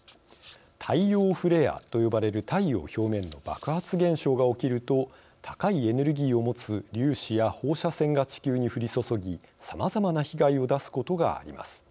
太陽フレアと呼ばれる太陽表面の爆発現象が起きると高いエネルギーを持つ粒子や放射線が地球に降り注ぎさまざまな被害を出すことがあります。